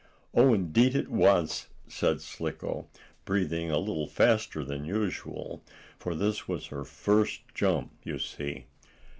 "Oh, indeed it was," said Slicko, breathing a little faster than usual, for this was her first jump, you see.